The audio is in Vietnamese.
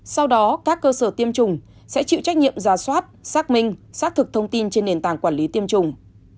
sau đó các cơ sở tiêm chủng sẽ chịu trách nhiệm ra soát xác minh xác thực thông tin trên nền tảng quản lý tiêm chủng